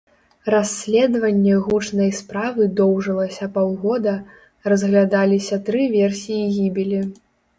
Расследванне гучнай справы доўжылася паўгода, разглядаліся тры версіі гібелі.